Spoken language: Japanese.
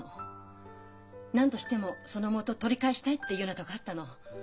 何としてもその元取り返したいっていうようなとこあったの。